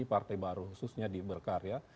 partai baru khususnya di berkarya